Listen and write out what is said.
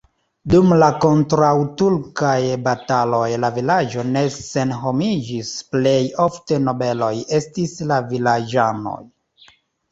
Dum la kontraŭturkaj bataloj la vilaĝo ne senhomiĝis, plej ofte nobeloj estis la vilaĝanoj.